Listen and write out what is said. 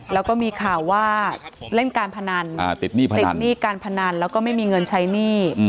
แล้วก็มีข่าวว่าเล่นการพนันติดหนี้การพนันแล้วก็ไม่มีเงินใช้หนี้